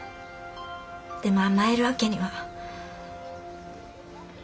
でも甘える訳には。